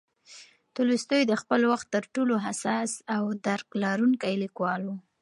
تولستوی د خپل وخت تر ټولو حساس او درک لرونکی لیکوال و.